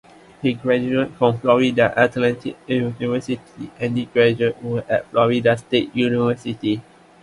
He graduated from Florida Atlantic University and did graduate work at Florida State University.